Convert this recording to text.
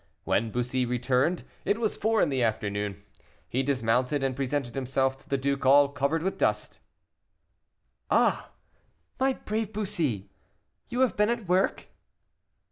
When Bussy returned, it was four in the afternoon; he dismounted, and presented himself to the duke all covered with dust. "Ah! my brave Bussy, you have been at work?"